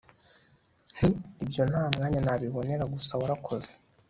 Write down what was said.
nti ibyo ntamwanya nabibonera gusa warakoze